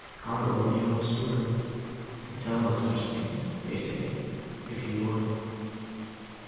Carlo, the old steward, could tell such things, they say, if he would."